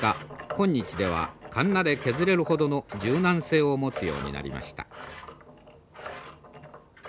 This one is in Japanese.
今日ではカンナで削れるほどの柔軟性を持つようになりました。